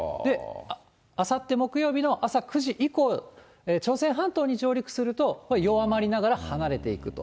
あさって木曜日の朝９時以降、朝鮮半島に上陸すると、弱まりながら離れていくと。